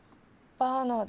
バーナーで？